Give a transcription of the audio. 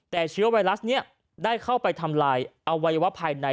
แต่เชื้อไวรัสนี้ได้เข้าไปทำลายอวัยวะภายใน